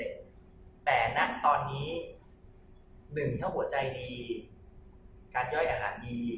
แต่น่ะตอนนี้๑ถ้าหัวใจดีการย่อยอาหารดี